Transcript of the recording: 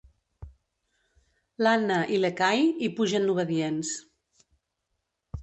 L'Anna i l'Ekahi hi pugen, obedients.